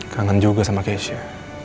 kangen juga sama keisha